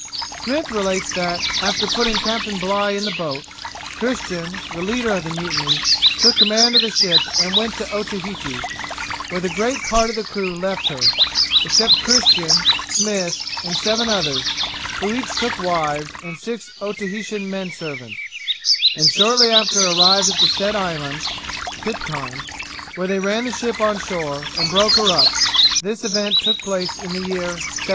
Smith relates that, after putting Captain Bligh in the boat, Christian, the leader of the mutiny, took command of the ship and went to Otaheite, where the great part of the crew left her, except Christian, Smith, and seven others, who each took wives and six Otaheitan men servants, and shortly after arrived at the said island (Pitcairn), where they ran the ship on shore, and broke her up; this event took place in the year 1790.